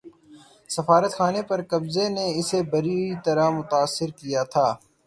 سفارت خانے پر قبضے نے اسے بری طرح متاثر کیا تھا